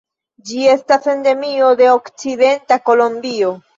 Ĝi estas endemio de okcidenta Kolombio.